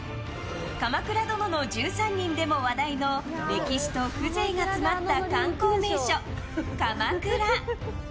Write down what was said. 「鎌倉殿の１３人」でも話題の歴史と風情が詰まった観光名所・鎌倉。